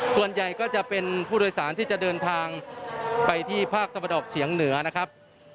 ส่วนใหญ่ก็จะเป็นผู้โดยสารที่จะเดินทางไปที่ภาคตะวันออกเฉียงเหนือนะครับ